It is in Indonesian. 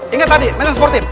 ingat tadi main yang sportif